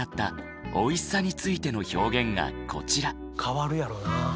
変わるやろうなあ。